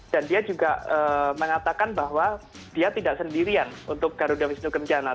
dan dia juga mengatakan bahwa dia tidak sendirian untuk garuda wisnu kencana